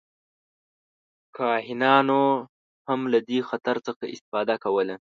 کاهنانو هم له دې خط څخه استفاده کوله.